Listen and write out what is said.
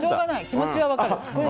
気持ちは分かる。